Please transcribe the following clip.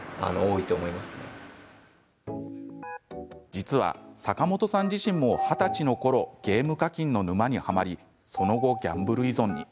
実は、坂本さん自身も二十歳のころゲーム課金の沼にはまりその後、ギャンブル依存に。